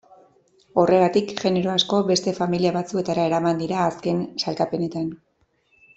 Horregatik, genero asko beste familia batzuetara eraman dira azken sailkapenetan.